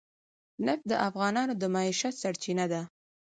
نفت د افغانانو د معیشت سرچینه ده.